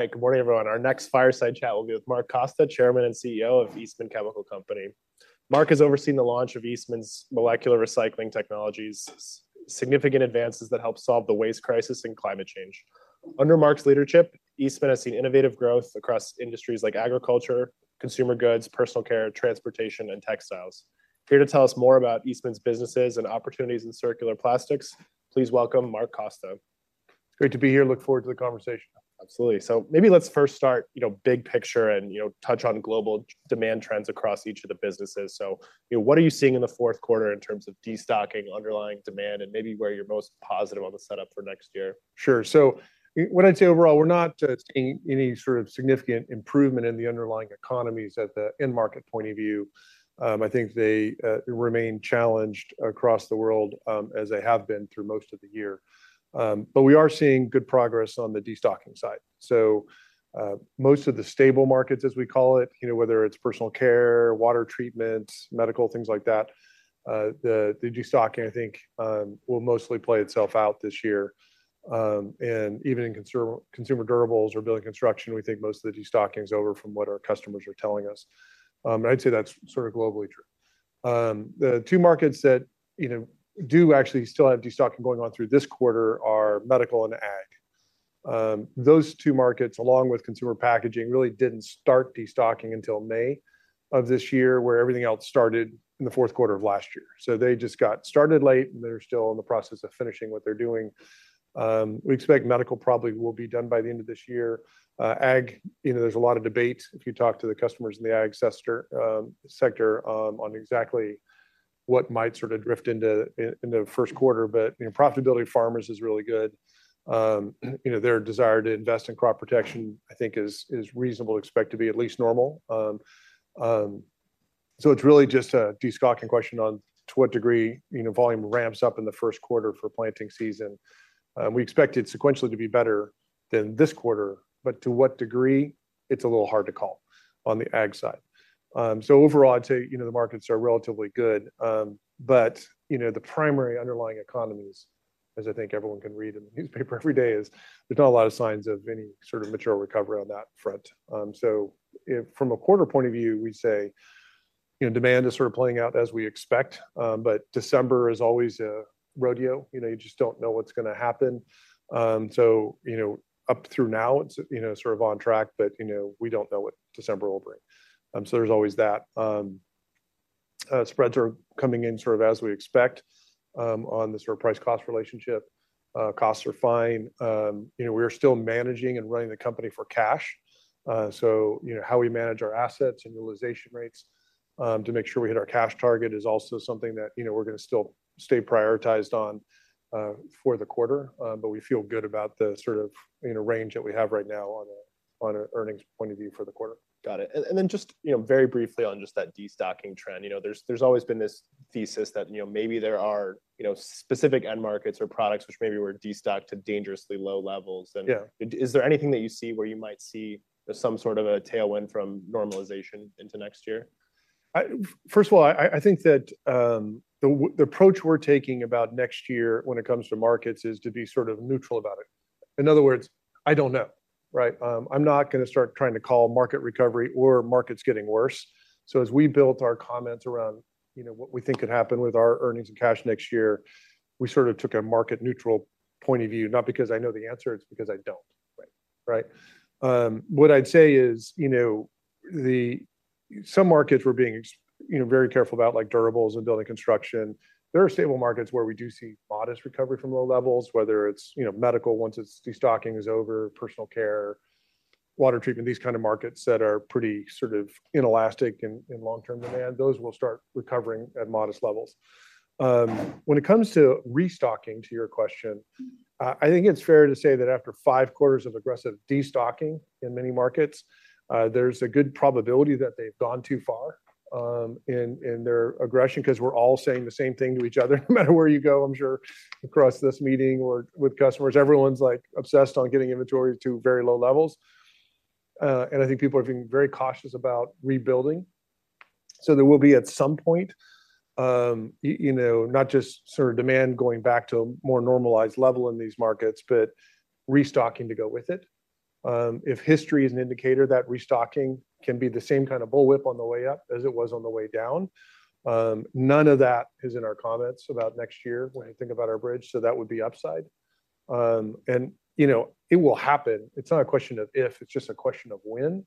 Hey, good morning, everyone. Our next fireside chat will be with Mark Costa, Chairman and CEO of Eastman Chemical Company. Mark has overseen the launch of Eastman's molecular recycling technologies, significant advances that help solve the waste crisis and climate change. Under Mark's leadership, Eastman has seen innovative growth across industries like agriculture, consumer goods, personal care, transportation, and textiles. Here to tell us more about Eastman's businesses and opportunities in circular plastics, please welcome Mark Costa. It's great to be here. Look forward to the conversation. Absolutely. So maybe let's first start, you know, big picture and, you know, touch on global demand trends across each of the businesses. So, you know, what are you seeing in the fourth quarter in terms of destocking, underlying demand, and maybe where you're most positive on the setup for next year? Sure. So what I'd say, overall, we're not seeing any sort of significant improvement in the underlying economies at the end market point of view. I think they remain challenged across the world, as they have been through most of the year. But we are seeing good progress on the destocking side. So, most of the stable markets, as we call it, you know, whether it's personal care, water treatment, medical, things like that, the destocking, I think, will mostly play itself out this year. And even in consumer durables or building construction, we think most of the destocking is over from what our customers are telling us. And I'd say that's sort of globally true. The two markets that, you know, do actually still have destocking going on through this quarter are medical and ag. Those two markets, along with consumer packaging, really didn't start destocking until May of this year, where everything else started in the fourth quarter of last year. So they just got started late, and they're still in the process of finishing what they're doing. We expect medical probably will be done by the end of this year. Ag, you know, there's a lot of debate if you talk to the customers in the ag sector on exactly what might sort of drift into in the first quarter, but, you know, profitability of farmers is really good. You know, their desire to invest in crop protection, I think is reasonable, expect to be at least normal. So it's really just a destocking question on to what degree, you know, volume ramps up in the first quarter for planting season. We expect it sequentially to be better than this quarter, but to what degree? It's a little hard to call on the ag side. So overall, I'd say, you know, the markets are relatively good, but, you know, the primary underlying economies, as I think everyone can read in the newspaper every day, is there's not a lot of signs of any sort of mature recovery on that front. So if from a quarter point of view, we say, you know, demand is sort of playing out as we expect, but December is always a rodeo. You know, you just don't know what's gonna happen. So, you know, up through now, it's, you know, sort of on track, but, you know, we don't know what December will bring. So there's always that. Spreads are coming in sort of as we expect on the sort of price-cost relationship. Costs are fine. You know, we are still managing and running the company for cash. So, you know, how we manage our assets and utilization rates to make sure we hit our cash target is also something that, you know, we're gonna still stay prioritized on for the quarter. But we feel good about the sort of, you know, range that we have right now on a, on a earnings point of view for the quarter. Got it. And then just, you know, very briefly on just that destocking trend. You know, there's always been this thesis that, you know, maybe there are, you know, specific end markets or products which maybe were destocked to dangerously low levels. Yeah. Is there anything that you see where you might see some sort of a tailwind from normalization into next year? First of all, I think that the approach we're taking about next year when it comes to markets is to be sort of neutral about it. In other words, I don't know, right? I'm not gonna start trying to call market recovery or markets getting worse. So as we built our comments around, you know, what we think could happen with our earnings and cash next year, we sort of took a market neutral point of view, not because I know the answer, it's because I don't. Right. Right? What I'd say is, you know, some markets we're being very careful about, like durables and building construction. There are stable markets where we do see modest recovery from low levels, whether it's, you know, medical, once its destocking is over, personal care, water treatment, these kind of markets that are pretty sort of inelastic in long-term demand, those will start recovering at modest levels. When it comes to restocking, to your question, I think it's fair to say that after five quarters of aggressive destocking in many markets, there's a good probability that they've gone too far in their aggression, because we're all saying the same thing to each other. No matter where you go, I'm sure across this meeting or with customers, everyone's, like, obsessed on getting inventory to very low levels. And I think people are being very cautious about rebuilding. So there will be, at some point, you know, not just sort of demand going back to a more normalized level in these markets, but restocking to go with it. If history is an indicator, that restocking can be the same kind of bullwhip on the way up as it was on the way down. None of that is in our comments about next year- Right... when we think about our bridge, so that would be upside. And, you know, it will happen. It's not a question of if, it's just a question of when,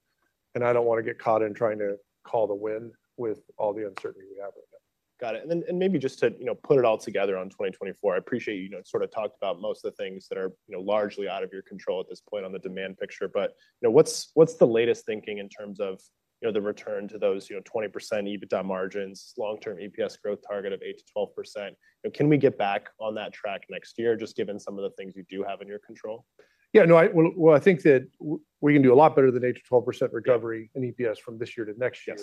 and I don't want to get caught in trying to call the when with all the uncertainty we have right now. Got it. And then maybe just to, you know, put it all together on 2024, I appreciate you, you know, sort of talked about most of the things that are, you know, largely out of your control at this point on the demand picture, but, you know, what's the latest thinking in terms of, you know, the return to those, you know, 20% EBITDA margins, long-term EPS growth target of 8%-12%? You know, can we get back on that track next year, just given some of the things you do have in your control? Yeah, no, well, I think that we can do a lot better than 8%-12% recovery- Yeah - in EPS from this year to next year.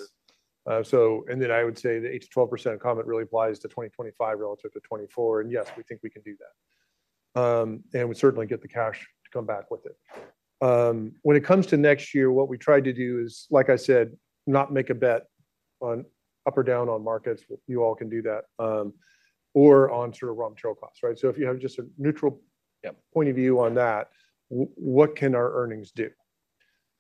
Yes. So, and then I would say the 8%-12% comment really applies to 2025 relative to 2024, and yes, we think we can do that. And we certainly get the cash to come back with it. When it comes to next year, what we tried to do is, like I said, not make a bet on up or down on markets, you all can do that, or on sort of raw material costs, right? So if you have just a neutral- Yeah point of view on that, what can our earnings do?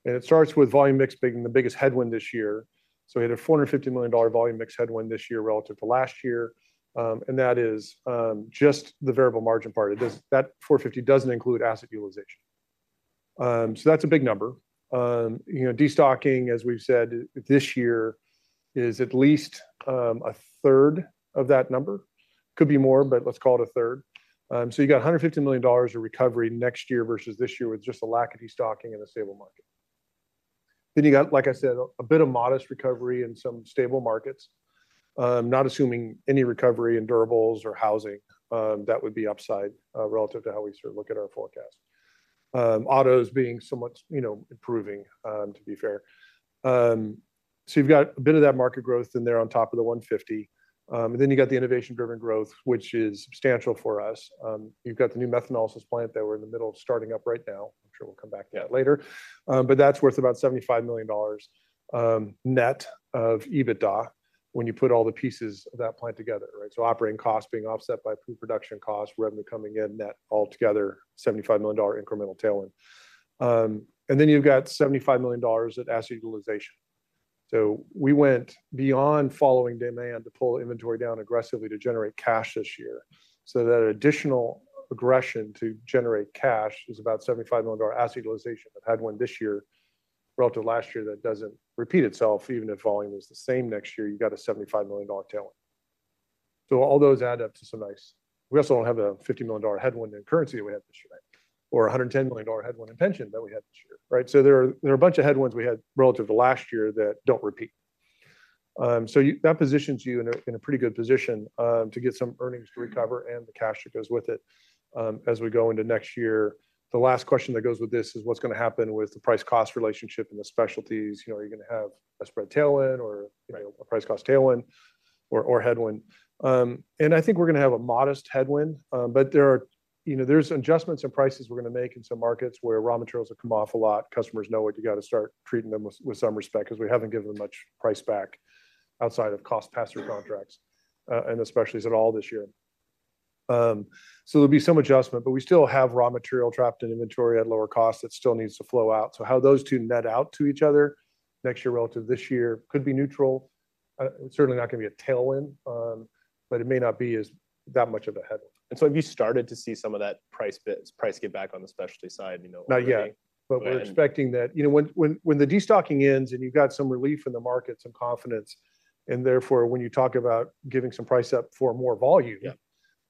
And it starts with volume mix being the biggest headwind this year. So we had a $450 million volume mix headwind this year relative to last year, and that is just the variable margin part. It does. That 450 doesn't include asset utilization. So that's a big number. You know, destocking, as we've said, this year, is at least a third of that number. Could be more, but let's call it a third. So you got a $150 million of recovery next year versus this year with just a lack of destocking in a stable market. Then you got, like I said, a bit of modest recovery in some stable markets. Not assuming any recovery in durables or housing, that would be upside, relative to how we sort of look at our forecast. Autos being somewhat, you know, improving, to be fair. So you've got a bit of that market growth in there on top of the 150, and then you got the innovation-driven growth, which is substantial for us. You've got the new methanolysis plant that we're in the middle of starting up right now. I'm sure we'll come back to that later. But that's worth about $75 million, net of EBITDA, when you put all the pieces of that plant together, right? So operating costs being offset by pre-production costs, revenue coming in, net all together, $75 million incremental tailwind. And then you've got $75 million at asset utilization. So we went beyond following demand to pull inventory down aggressively to generate cash this year. So that additional aggression to generate cash is about $75 million asset utilization of headwind this year, relative to last year, that doesn't repeat itself, even if volume is the same next year, you got a $75 million tailwind. So all those add up to some nice... We also have a $50 million headwind in currency that we had this year, or a $110 million headwind in pension that we had this year, right? So there are, there are a bunch of headwinds we had relative to last year that don't repeat. So that positions you in a, in a pretty good position, to get some earnings to recover and the cash that goes with it, as we go into next year. The last question that goes with this is what's gonna happen with the price-cost relationship and the specialties? You know, are you gonna have a spread tailwind or, you know, a price-cost tailwind or, or headwind. And I think we're gonna have a modest headwind, but there are, you know, there's adjustments in prices we're gonna make in some markets where raw materials have come off a lot. Customers know it, you got to start treating them with, with some respect because we haven't given much price back outside of cost pass-through contracts, and especially at all this year. So there'll be some adjustment, but we still have raw material trapped in inventory at lower cost that still needs to flow out. So how those two net out to each other next year relative to this year could be neutral. It's certainly not going to be a tailwind, but it may not be as that much of a headwind. So have you started to see some of that price get back on the specialty side, you know- Not yet. Right. But we're expecting that, you know, when the destocking ends, and you've got some relief in the market, some confidence, and therefore, when you talk about giving some price up for more volume- Yeah ...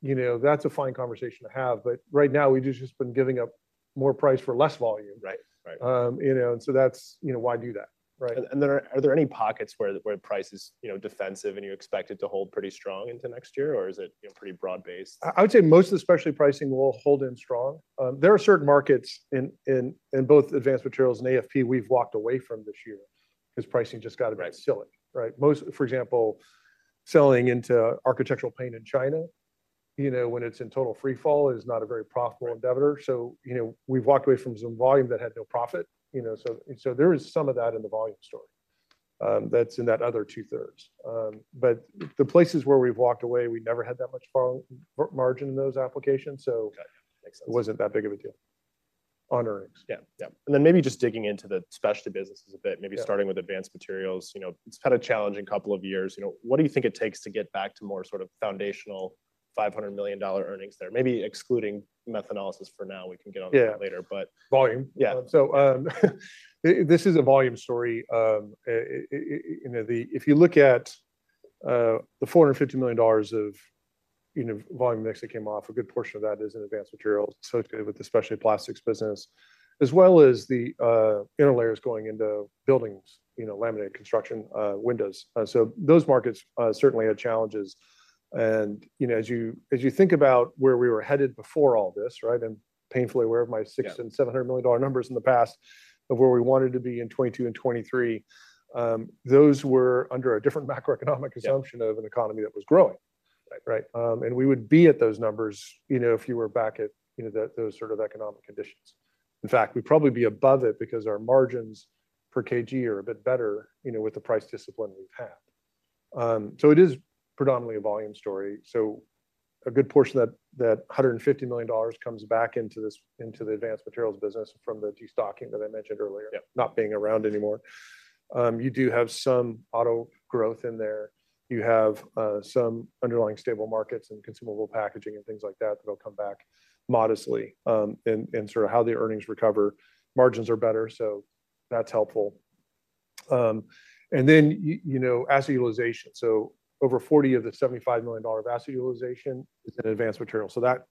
you know, that's a fine conversation to have. But right now, we just been giving up more price for less volume. Right. Right. You know, and so that's, you know, why do that, right? And then are there any pockets where price is, you know, defensive, and you expect it to hold pretty strong into next year, or is it, you know, pretty broad-based? I would say most of the specialty pricing will hold in strong. There are certain markets in both advanced materials and AFP we've walked away from this year because pricing just got- Right... silly, right? Most, for example, selling into architectural paint in China, you know, when it's in total freefall, is not a very profitable endeavor. Right. So you know, we've walked away from some volume that had no profit, you know, so, so there is some of that in the volume story, that's in that other two-thirds. But the places where we've walked away, we never had that much profit margin in those applications, so- Got it. Makes sense. It wasn't that big of a deal on earnings. Yeah, yeah. And then maybe just digging into the specialty businesses a bit- Yeah... maybe starting with advanced materials, you know, it's had a challenging couple of years. You know, what do you think it takes to get back to more sort of foundational $500 million earnings there? Maybe excluding methanolysis for now. We can get on to that later, but- Volume. Yeah. So, this is a volume story. You know, if you look at the $450 million of volume mix that came off, a good portion of that is in advanced materials, associated with the specialty plastics business, as well as the interlayers going into buildings, you know, laminated construction, windows. So those markets certainly had challenges. And, you know, as you think about where we were headed before all this, right? I'm painfully aware of my six- Yeah... and $700 million numbers in the past, of where we wanted to be in 2022 and 2023. Those were under a different macroeconomic assumption- Yeah... of an economy that was growing. Right. Right. And we would be at those numbers, you know, if you were back at, you know, that, those sort of economic conditions. In fact, we'd probably be above it because our margins per kg are a bit better, you know, with the price discipline we've had. So it is predominantly a volume story. So a good portion of that, that $150 million comes back into this- into the advanced materials business from the destocking that I mentioned earlier- Yeah... not being around anymore. You do have some auto growth in there. You have some underlying stable markets and consumable packaging and things like that, that'll come back modestly. And sort of how the earnings recover, margins are better, so that's helpful. And then you know, asset utilization. So over 40 of the $75 million asset utilization is in advanced material. So that,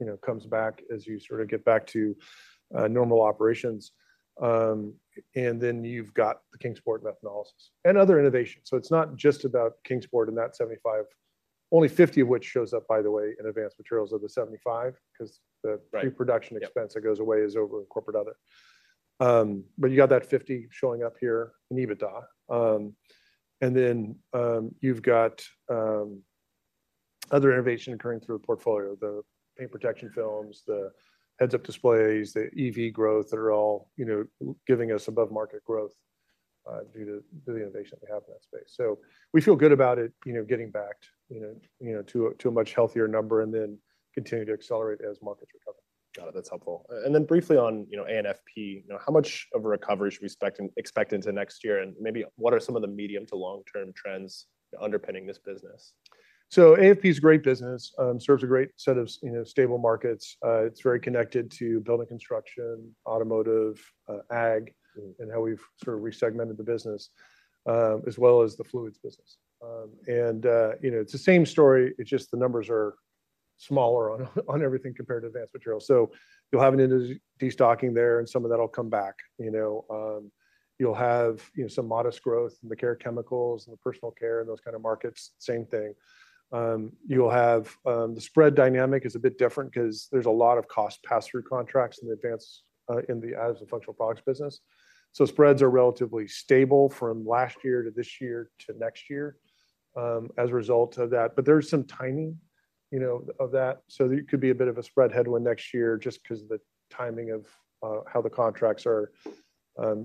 you know, comes back as you sort of get back to normal operations. And then you've got the Kingsport methanolysis and other innovations. So it's not just about Kingsport and that 75, only 50 of which shows up, by the way, in advanced materials of the 75, because the- Right... pre-production expense that goes away is over in corporate other. But you got that $50 showing up here in EBITDA. And then, you've got other innovation occurring through the portfolio, the paint protection films, the heads-up displays, the EV growth that are all, you know, giving us above market growth due to the innovation that we have in that space. So we feel good about it, you know, getting back, you know, you know, to a, to a much healthier number and then continue to accelerate as markets recover. Got it. That's helpful. And then briefly on, you know, AFP, you know, how much of a recovery should we expect into next year? And maybe what are some of the medium to long-term trends underpinning this business? So AFP is a great business, serves a great set of, you know, stable markets. It's very connected to building construction, automotive, ag, and how we've sort of resegmented the business, as well as the fluids business. And, you know, it's the same story, it's just the numbers are smaller on everything compared to advanced materials. So you'll have a destocking there, and some of that will come back. You know, you'll have some modest growth in the care chemicals and the personal care and those kind of markets, same thing. You'll have the spread dynamic is a bit different because there's a lot of cost pass-through contracts in advance, in the Additives and functional products business. So spreads are relatively stable from last year to this year to next year, as a result of that. But there's some timing, you know, of that, so it could be a bit of a spread headwind next year, just because of the timing of how the contracts are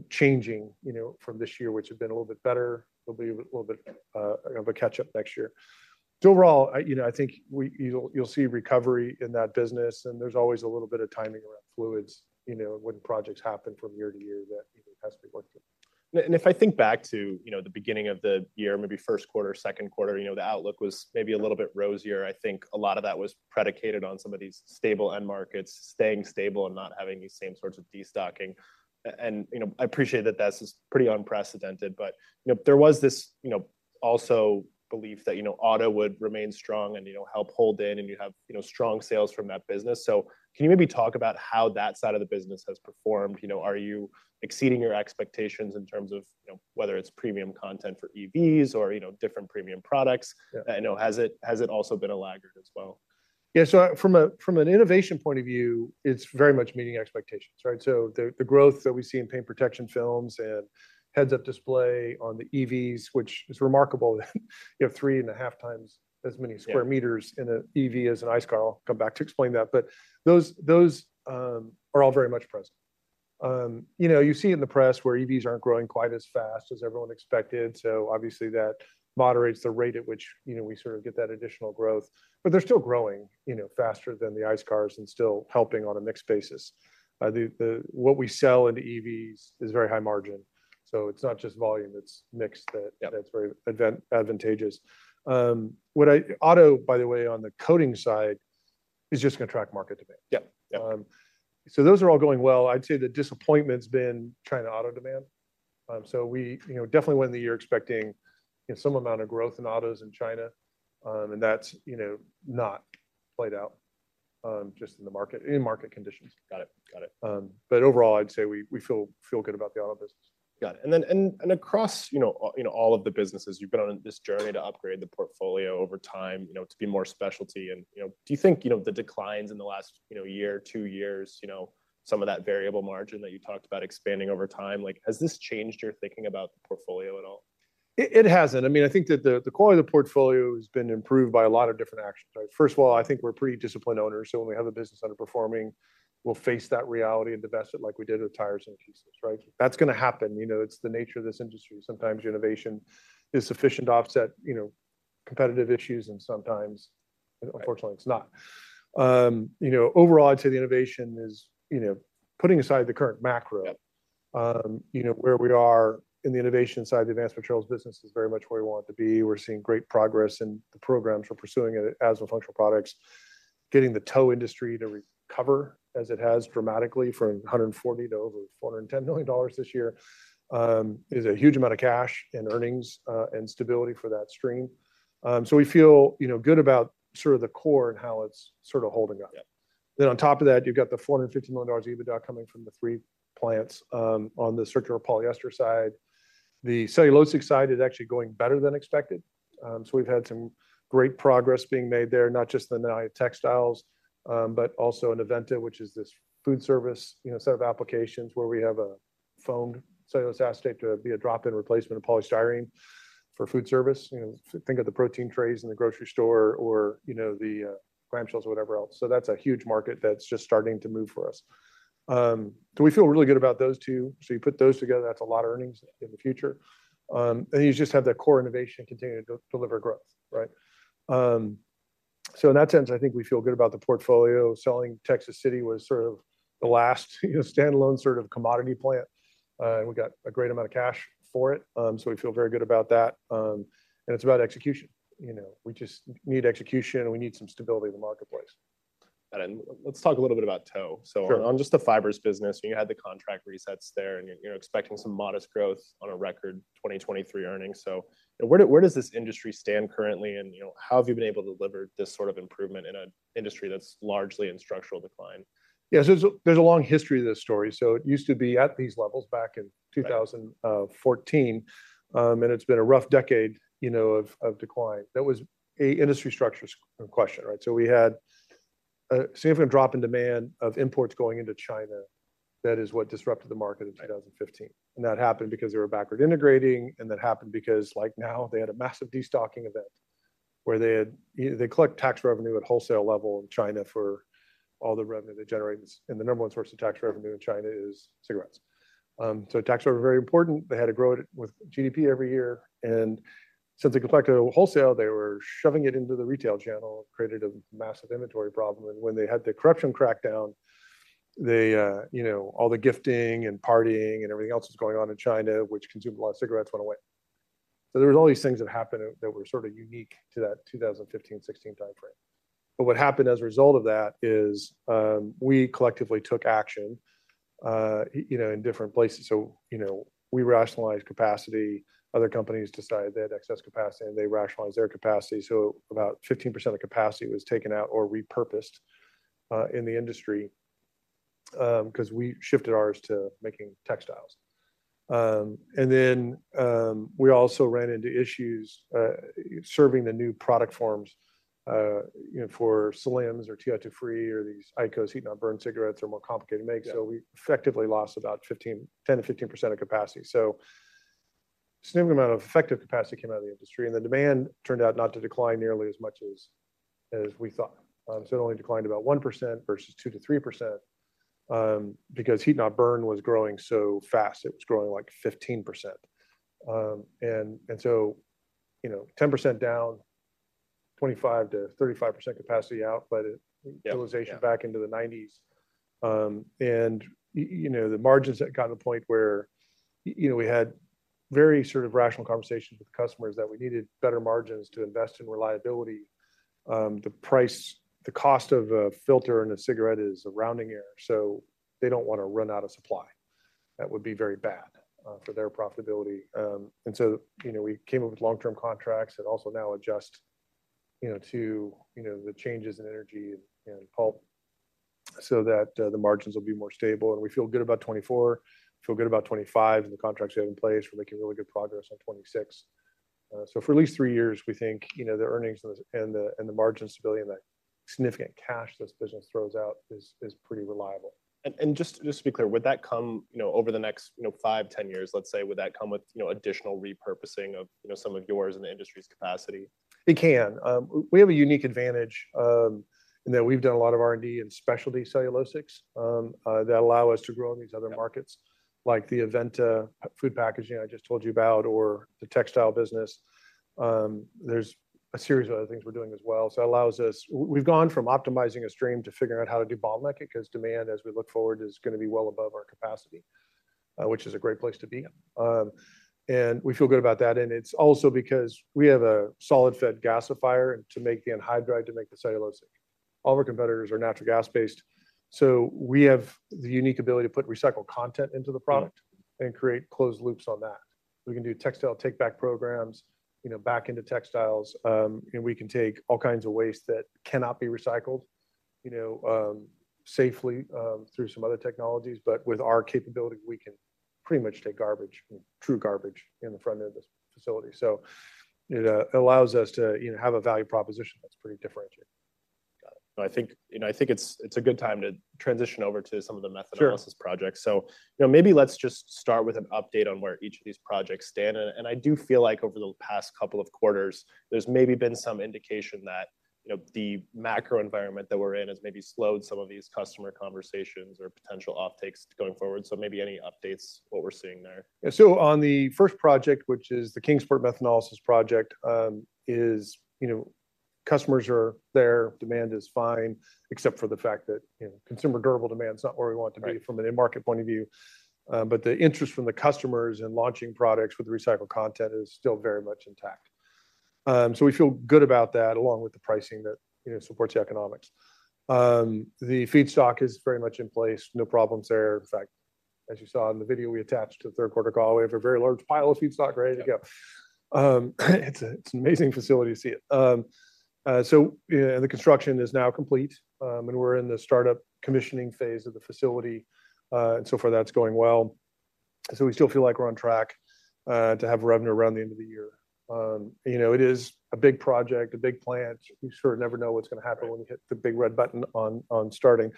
changing, you know, from this year, which have been a little bit better, there'll be a little bit of a catch-up next year. So overall, I, you know, I think you'll, you'll see recovery in that business, and there's always a little bit of timing around fluids, you know, when projects happen from year to year, that, you know, has to be worked in. And if I think back to, you know, the beginning of the year, maybe first quarter, second quarter, you know, the outlook was maybe a little bit rosier. I think a lot of that was predicated on some of these stable end markets staying stable and not having these same sorts of destocking. And, you know, I appreciate that this is pretty unprecedented, but, you know, there was this, you know, also belief that, you know, auto would remain strong and, you know, help hold in, and you'd have, you know, strong sales from that business. So can you maybe talk about how that side of the business has performed? You know, are you exceeding your expectations in terms of, you know, whether it's premium content for EVs or, you know, different premium products? Yeah. You know, has it, has it also been a laggard as well? Yeah. So from an innovation point of view, it's very much meeting expectations, right? So the growth that we see in paint protection films and heads-up display on the EVs, which is remarkable, you have 3.5 times as many square meters- Yeah... in an EV as an ICE car. I'll come back to explain that, but those are all very much present. You know, you see in the press where EVs aren't growing quite as fast as everyone expected, so obviously that moderates the rate at which, you know, we sort of get that additional growth. But they're still growing, you know, faster than the ICE cars and still helping on a mixed basis. The what we sell into EVs is very high margin, so it's not just volume, it's mixed. Yeah. That, that's very advantageous. What about auto, by the way, on the coating side, is just gonna track market demand. Yeah. Yeah. Those are all going well. I'd say the disappointment's been China auto demand. We, you know, definitely went in the year expecting, you know, some amount of growth in autos in China, and that's, you know, not played out, just in the market, in market conditions. Got it. Got it. But overall, I'd say we feel good about the auto business. Got it. And then across, you know, you know, all of the businesses, you've been on this journey to upgrade the portfolio over time, you know, to be more specialty and, you know. Do you think, you know, the declines in the last, you know, year, two years, you know, some of that variable margin that you talked about expanding over time, like, has this changed your thinking about the portfolio at all? It hasn't. I mean, I think that the quality of the portfolio has been improved by a lot of different actions, right? First of all, I think we're pretty disciplined owners, so when we have a business underperforming, we'll face that reality and divest it like we did with Texas City, right? That's gonna happen, you know, it's the nature of this industry. Sometimes innovation is sufficient to offset, you know, competitive issues, and sometimes- Right... unfortunately, it's not. You know, overall, I'd say the innovation is, you know, putting aside the current macro- Yeah... you know, where we are in the innovation side of the advanced materials business is very much where we want to be. We're seeing great progress in the programs we're pursuing it as well functional products, getting the tow industry to recover, as it has dramatically from $140 million to over $410 million this year, is a huge amount of cash and earnings, and stability for that stream. So we feel, you know, good about sort of the core and how it's sort of holding up. Yeah. Then on top of that, you've got the $450 million EBITDA coming from the three plants, on the circular polyester side. The cellulosic side is actually going better than expected. So we've had some great progress being made there, not just in the textiles, but also in Aventa, which is this food service, you know, set of applications where we have a foamed cellulose acetate to be a drop-in replacement of polystyrene for food service. You know, think of the protein trays in the grocery store or, you know, the, clamshells or whatever else. So that's a huge market that's just starting to move for us. So we feel really good about those two. So you put those together, that's a lot of earnings in the future. And you just have that core innovation continuing to deliver growth, right? So in that sense, I think we feel good about the portfolio. Selling Texas City was sort of the last, you know, standalone sort of commodity plant, and we got a great amount of cash for it, so we feel very good about that. And it's about execution, you know, we just need execution, and we need some stability in the marketplace. Let's talk a little bit about tow. Sure. So on just the fibers business, you had the contract resets there, and you're, you're expecting some modest growth on a record 2023 earnings. So, where does this industry stand currently, and, you know, how have you been able to deliver this sort of improvement in an industry that's largely in structural decline? Yeah, so there's a long history to this story. So it used to be at these levels back in 2000- Right... 14, and it's been a rough decade, you know, of, of decline. That was a industry structure question, right? So we had a significant drop in demand of imports going into China. That is what disrupted the market in 2015. And that happened because they were backward integrating, and that happened because, like now, they had a massive destocking event where they had, they collect tax revenue at wholesale level in China for all the revenue they generate, and the number one source of tax revenue in China is cigarettes. So tax were very important. They had to grow it with GDP every year, and since they collected it wholesale, they were shoving it into the retail channel, and created a massive inventory problem. When they had the corruption crackdown, they, you know, all the gifting and partying and everything else that was going on in China, which consumed a lot of cigarettes, went away. So there was all these things that happened that were sort of unique to that 2015-16 time frame. But what happened as a result of that is, we collectively took action, you know, in different places. So, you know, we rationalized capacity. Other companies decided they had excess capacity, and they rationalized their capacity. So about 15% of capacity was taken out or repurposed, in the industry, because we shifted ours to making textiles. And then, we also ran into issues, serving the new product forms, you know, for slims or TiO2 free or these IQOS heat-not-burn cigarettes are more complicated to make. So we effectively lost about 10%-15% of capacity. So significant amount of effective capacity came out of the industry, and the demand turned out not to decline nearly as much as we thought. So it only declined about 1% versus 2%-3%, because heat-not-burn was growing so fast. It was growing, like, 15%. And so, you know, 10% down, 25%-35% capacity out, but it- Yeah. utilization back into the nineties. And you know, the margins had gotten to the point where, you know, we had very sort of rational conversations with customers that we needed better margins to invest in reliability. The price, the cost of a filter in a cigarette is a rounding error, so they don't want to run out of supply. That would be very bad for their profitability. And so, you know, we came up with long-term contracts that also now adjust, you know, to, you know, the changes in energy and, and pulp so that the margins will be more stable. And we feel good about 2024, feel good about 2025, and the contracts we have in place, we're making really good progress on 2026. For at least three years, we think, you know, the earnings and the margin stability and the significant cash this business throws out is pretty reliable. Just to be clear, would that come, you know, over the next, you know, 5, 10 years, let's say, would that come with, you know, additional repurposing of, you know, some of yours and the industry's capacity? It can. We have a unique advantage in that we've done a lot of R&D in specialty cellulosics that allow us to grow in these other markets- Yeah. like the Aventa food packaging I just told you about or the textile business. There's a series of other things we're doing as well, so that allows us. We've gone from optimizing a stream to figuring out how to do bottleneck because demand, as we look forward, is gonna be well above our capacity, which is a great place to be. And we feel good about that, and it's also because we have a solid-fed gasifier to make the anhydride, to make the cellulosic. All of our competitors are natural gas-based, so we have the unique ability to put recycled content into the product. Yeah. and create closed loops on that. We can do textile takeback programs, you know, back into textiles, and we can take all kinds of waste that cannot be recycled, you know, safely, through some other technologies. But with our capability, we can pretty much take garbage, true garbage, in the front end of this facility. So it allows us to, you know, have a value proposition that's pretty differentiated. Got it. I think, you know, I think it's, it's a good time to transition over to some of the method- Sure. Methanolysis projects. So, you know, maybe let's just start with an update on where each of these projects stand. And, I do feel like over the past couple of quarters, there's maybe been some indication that, you know, the macro environment that we're in has maybe slowed some of these customer conversations or potential optics going forward. So maybe any updates, what we're seeing there? So on the first project, which is the Kingsport methanolysis project, you know, customers are there, demand is fine, except for the fact that, you know, consumer durable demand is not where we want it to be. Right. From an end market point of view. But the interest from the customers in launching products with recycled content is still very much intact. So we feel good about that, along with the pricing that, you know, supports the economics. The feedstock is very much in place. No problems there. In fact, as you saw in the video, we attached to the third quarter call, we have a very large pile of feedstock ready to go. Yeah. It's an amazing facility to see it. So, yeah, the construction is now complete, and we're in the startup commissioning phase of the facility. And so far, that's going well. So we still feel like we're on track to have revenue around the end of the year. You know, it is a big project, a big plant. We sort of never know what's gonna happen- Right. -when we hit the big red button on, on starting.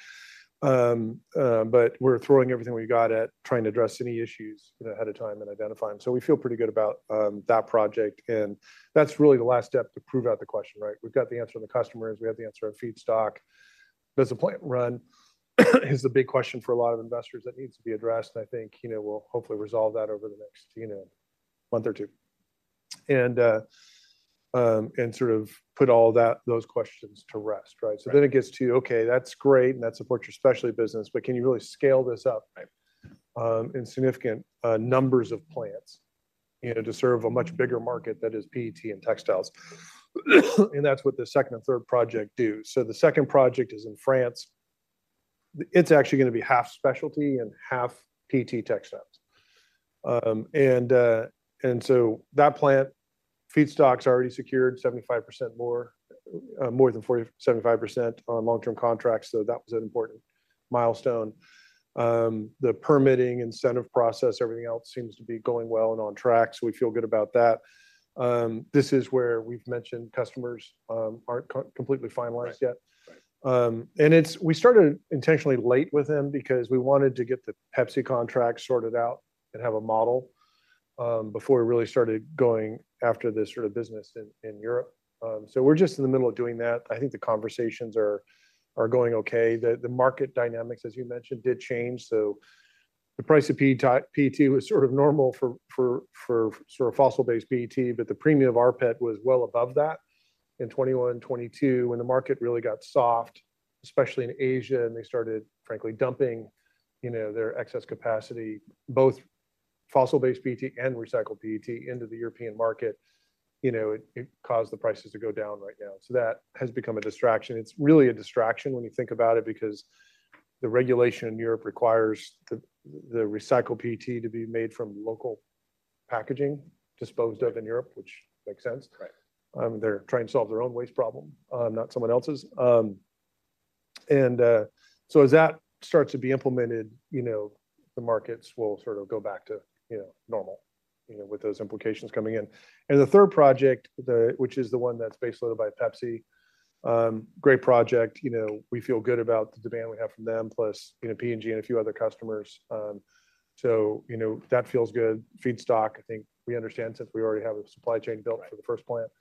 But we're throwing everything we got at trying to address any issues, you know, ahead of time and identify them. So we feel pretty good about that project, and that's really the last step to prove out the question, right? We've got the answer on the customers, we have the answer on feedstock. Does the plant run? Is the big question for a lot of investors that needs to be addressed, and I think, you know, we'll hopefully resolve that over the next, you know, month or two. And and sort of put all that, those questions to rest, right? Right. So then it gets to, okay, that's great, and that supports your specialty business, but can you really scale this up- Right. in significant numbers of plants, you know, to serve a much bigger market that is PET and textiles? And that's what the second and third project do. So the second project is in France. It's actually gonna be half specialty and half PET textiles. And so that plant, feedstock's already secured, 75% more, more than 40... 75% on long-term contracts, so that was important milestone. This is where we've mentioned customers aren't completely finalized yet. Right. And we started intentionally late with them because we wanted to get the Pepsi contract sorted out and have a model before we really started going after this sort of business in Europe. So we're just in the middle of doing that. I think the conversations are going okay. The market dynamics, as you mentioned, did change, so the price of PET was sort of normal for fossil-based PET, but the premium of rPET was well above that in 2021 and 2022, when the market really got soft, especially in Asia, and they started, frankly, dumping, you know, their excess capacity, both fossil-based PET and recycled PET into the European market. You know, it caused the prices to go down right now. So that has become a distraction. It's really a distraction when you think about it, because the regulation in Europe requires the recycled PET to be made from local packaging disposed of in Europe, which makes sense. Right. They're trying to solve their own waste problem, not someone else's. So as that starts to be implemented, you know, the markets will sort of go back to, you know, normal, you know, with those implications coming in. And the third project, which is the one that's base-loaded by Pepsi, great project, you know, we feel good about the demand we have from them, plus, you know, P&G and a few other customers. So, you know, that feels good. Feedstock, I think we understand since we already have a supply chain built- Right... for the first plant.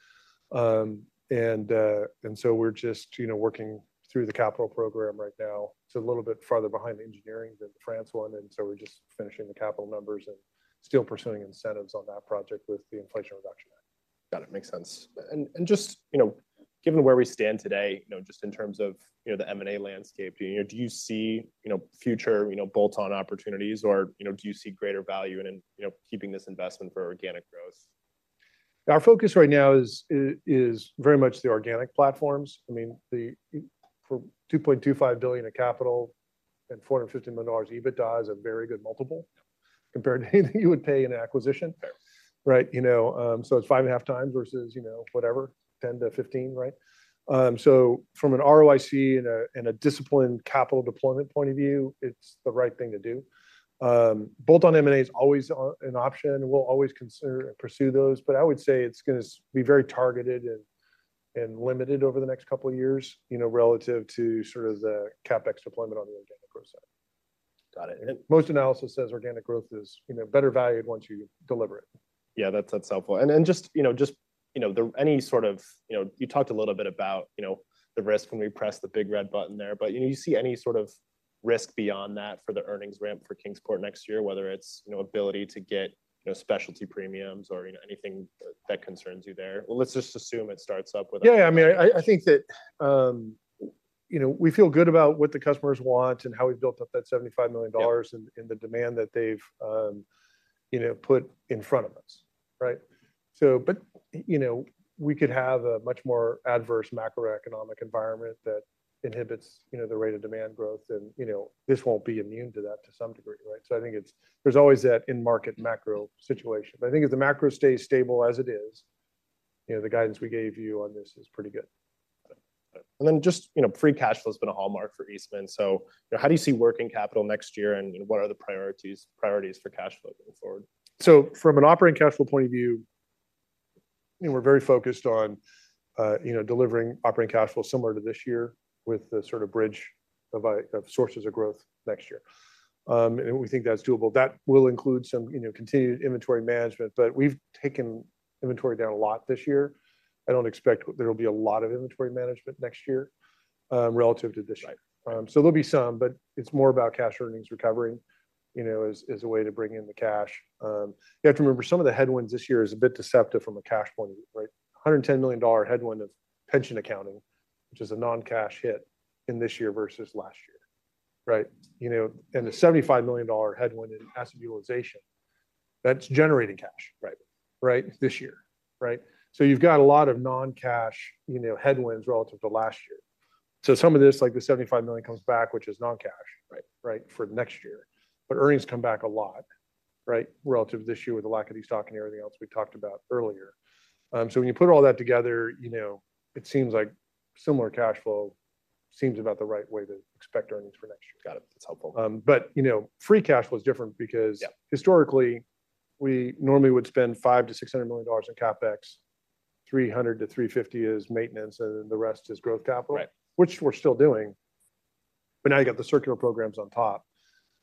And so we're just, you know, working through the capital program right now. It's a little bit farther behind the engineering than the France one, and so we're just finishing the capital numbers and still pursuing incentives on that project with the Inflation Reduction Act. Got it. Makes sense. Just, you know, given where we stand today, you know, just in terms of, you know, the M&A landscape, do you see, you know, future, you know, bolt-on opportunities or, you know, do you see greater value in, you know, keeping this investment for organic growth? Our focus right now is very much the organic platforms. I mean, the, for $2.25 billion of capital and $450 million EBITDA is a very good multiple compared to anything you would pay in acquisition. Right. Right, you know, so it's 5.5 times versus, you know, whatever, 10-15, right? So from an ROIC and a, and a disciplined capital deployment point of view, it's the right thing to do. Bolt-on M&A is always, an option. We'll always consider and pursue those, but I would say it's gonna be very targeted and, and limited over the next couple of years, you know, relative to sort of the CapEx deployment on the organic growth side. Got it. Most analysis says organic growth is, you know, better valued once you deliver it. Yeah, that's, that's helpful. And then just, you know, just, you know, the—any sort of, you know, you talked a little bit about, you know, the risk when we press the big red button there, but, you know, do you see any sort of risk beyond that for the earnings ramp for Kingsport next year, whether it's, you know, ability to get, you know, specialty premiums or, you know, anything that concerns you there? Well, let's just assume it starts up with- Yeah, I mean, I think that, you know, we feel good about what the customers want and how we've built up that $75 million- Yeah... and the demand that they've you know put in front of us. Right? So but you know we could have a much more adverse macroeconomic environment that inhibits you know the rate of demand growth, and you know this won't be immune to that to some degree, right? So I think there's always that end market macro situation. But I think if the macro stays stable as it is, you know the guidance we gave you on this is pretty good. Got it. And then just, you know, free cash flow has been a hallmark for Eastman. So, how do you see working capital next year, and what are the priorities, priorities for cash flow going forward? So from an operating cash flow point of view, we're very focused on, you know, delivering operating cash flow similar to this year, with the sort of bridge of sources of growth next year. And we think that's doable. That will include some, you know, continued inventory management, but we've taken inventory down a lot this year. I don't expect there will be a lot of inventory management next year, relative to this year. Right. So, there'll be some, but it's more about cash earnings recovery, you know, as, as a way to bring in the cash. You have to remember, some of the headwinds this year is a bit deceptive from a cash point of view, right? $110 million headwind of pension accounting, which is a non-cash hit in this year versus last year, right? You know, and the $75 million headwind in asset utilization, that's generating cash- Right... right, this year, right? So you've got a lot of non-cash, you know, headwinds relative to last year. So some of this, like the $75 million, comes back, which is non-cash- Right... right, for next year. But earnings come back a lot, right, relative to this year, with the lack of destocking and everything else we talked about earlier. So when you put all that together, you know, it seems like similar cash flow seems about the right way to expect earnings for next year. Got it. That's helpful. But, you know, free cash flow is different because- Yeah... historically, we normally would spend $500 million-$600 million in CapEx, $300 million-$350 million is maintenance, and then the rest is growth capital. Right. Which we're still doing, but now you got the circular programs on top.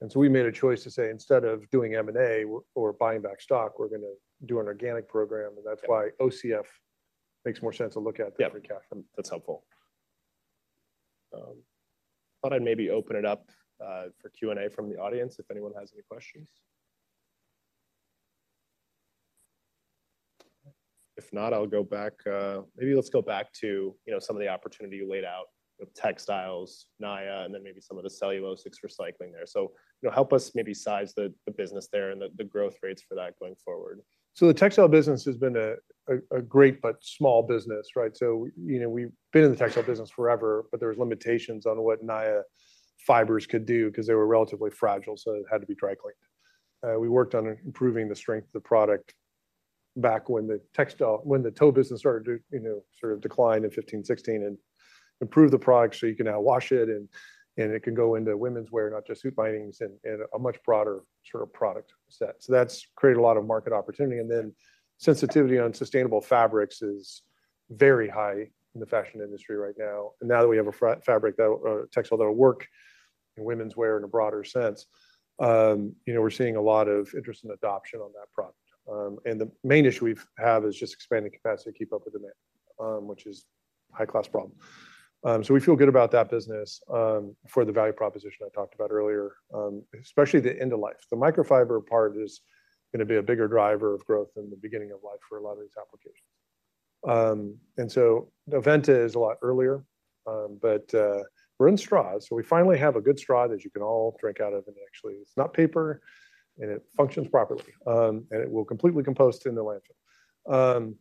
So we made a choice to say, instead of doing M&A or buying back stock, we're gonna do an organic program. Yeah. That's why OCF makes more sense to look at- Yeah... the free cash flow. That's helpful. Thought I'd maybe open it up for Q&A from the audience, if anyone has any questions. If not, I'll go back. Maybe let's go back to, you know, some of the opportunity you laid out with textiles, Naia, and then maybe some of the cellulosic recycling there. So, you know, help us maybe size the business there and the growth rates for that going forward. So the textile business has been a great but small business, right? So, you know, we've been in the textile business forever, but there was limitations on what Naia fibers could do because they were relatively fragile, so it had to be dry cleaned. We worked on improving the strength of the product back when the tow business started to, you know, sort of decline in 2015, 2016, and improve the product so you can now wash it and it can go into women's wear, not just suit bindings and a much broader sort of product set. So that's created a lot of market opportunity, and then sensitivity on sustainable fabrics is very high in the fashion industry right now. And now that we have a fabric that, textile that'll work in women's wear in a broader sense, you know, we're seeing a lot of interest and adoption on that product. And the main issue we have is just expanding capacity to keep up with demand, which is a high-class problem. So we feel good about that business, for the value proposition I talked about earlier, especially the end of life. The microfiber part is gonna be a bigger driver of growth in the beginning of life for a lot of these applications. And so Aventa is a lot earlier, but, we're in straws, so we finally have a good straw that you can all drink out of, and actually, it's not paper, and it functions properly, and it will completely compost in the landfill.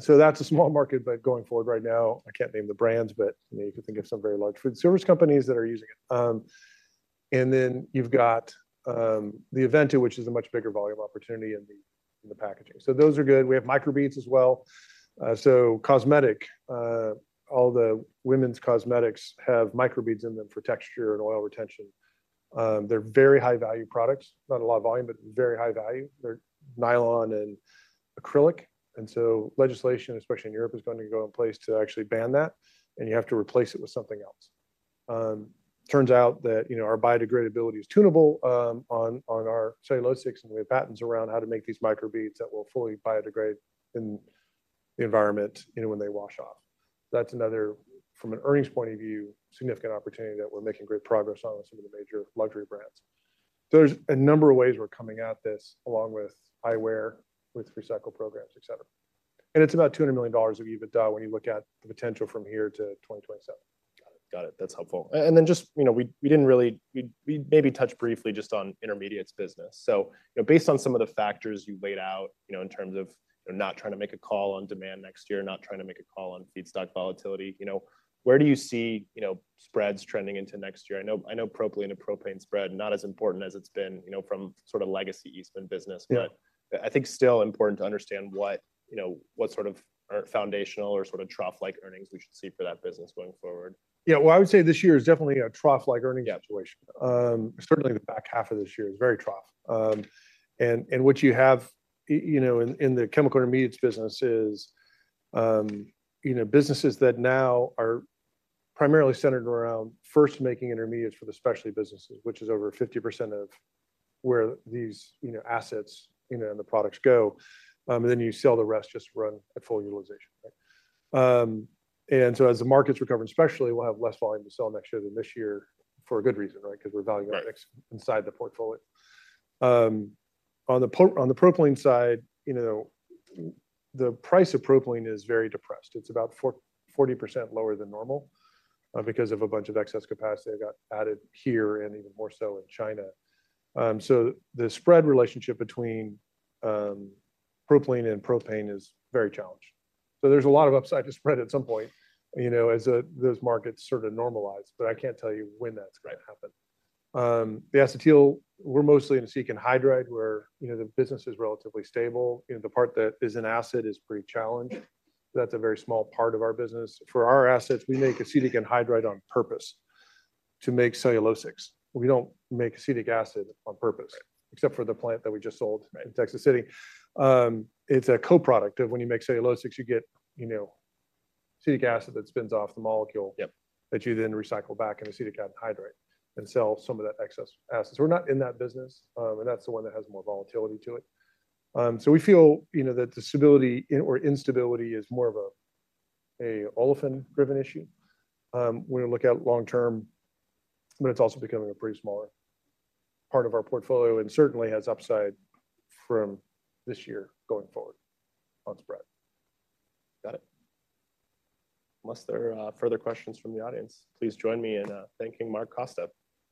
So that's a small market, but going forward right now, I can't name the brands, but, you know, you can think of some very large food service companies that are using it. And then you've got, the Aventa, which is a much bigger volume opportunity in the, in the packaging. So those are good. We have microbeads as well. So cosmetic, all the women's cosmetics have microbeads in them for texture and oil retention. They're very high-value products, not a lot of volume, but very high value. They're nylon and acrylic, and so legislation, especially in Europe, is going to go in place to actually ban that, and you have to replace it with something else. Turns out that, you know, our biodegradability is tunable, on our cellulosics, and we have patents around how to make these microbeads that will fully biodegrade in the environment, you know, when they wash off. That's another, from an earnings point of view, significant opportunity that we're making great progress on with some of the major luxury brands. So there's a number of ways we're coming at this, along with eyewear, with recycle programs, etc. And it's about $200 million of EBITDA when you look at the potential from here to 2027. Got it. Got it. That's helpful. And then just, you know, we didn't really—we maybe touched briefly just on intermediates business. So, you know, based on some of the factors you laid out, you know, in terms of not trying to make a call on demand next year, not trying to make a call on feedstock volatility, you know, where do you see, you know, spreads trending into next year? I know, I know propylene and propane spread, not as important as it's been, you know, from sort of legacy Eastman business. Yeah. But I think still important to understand what, you know, what sort of foundational or sort of trough-like earnings we should see for that business going forward. Yeah, well, I would say this year is definitely a trough-like earnings situation. Certainly, the back half of this year is very trough. And what you have, you know, in the chemical intermediates business is, you know, businesses that now are primarily centered around first making intermediates for the specialty businesses, which is over 50% of where these, you know, assets, you know, and the products go. And then you sell the rest, just run at full utilization, right? And so as the markets recover, especially, we'll have less volume to sell next year than this year for a good reason, right? Because we're valuing- Right. our mix inside the portfolio. On the pro, on the propylene side, you know, the price of propylene is very depressed. It's about 40% lower than normal, because of a bunch of excess capacity that got added here and even more so in China. So the spread relationship between propylene and propane is very challenged. So there's a lot of upside to spread at some point, you know, as those markets sort of normalize, but I can't tell you when that's gonna happen. Right. The acetyl, we're mostly in acetic anhydride, where, you know, the business is relatively stable. You know, the part that is in acid is pretty challenged. That's a very small part of our business. For our assets, we make acetic anhydride on purpose to make cellulosics. We don't make acetic acid on purpose- Right. except for the plant that we just sold. Right. -in Texas City. It's a co-product of when you make cellulosics, you get, you know, acetic acid that spins off the molecule- Yep... that you then recycle back into acetic anhydride and sell some of that excess acid. So we're not in that business, and that's the one that has more volatility to it. So we feel, you know, that the stability or instability is more of a olefin-driven issue, when we look at long-term, but it's also becoming a pretty smaller part of our portfolio and certainly has upside from this year going forward on spread. Got it. Unless there are further questions from the audience, please join me in thanking Mark Costa.